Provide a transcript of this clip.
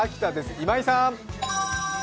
今井さん。